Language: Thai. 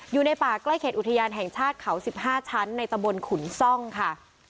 อยู่ในป่าใกล้เขตอุทยานแห่งชาติเขา๑๕ชั้นในตะบนขุนซ่องค่ะ